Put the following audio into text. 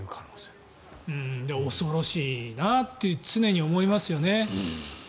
恐ろしいなと常に思いますよね。